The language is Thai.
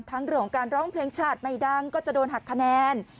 เรื่องของการร้องเพลงชาติไม่ดังก็จะโดนหักคะแนน